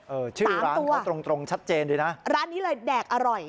ชื่อร้านเขาตรงตรงชัดเจนเลยนะร้านนี้เลยแดกอร่อย